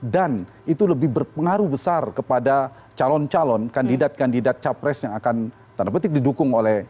dan itu lebih berpengaruh besar kepada calon calon kandidat kandidat capres yang akan didukung oleh